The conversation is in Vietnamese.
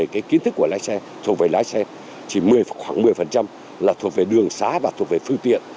cái kiến thức của lái xe thuộc về lái xe chỉ khoảng một mươi là thuộc về đường xá và thuộc về phương tiện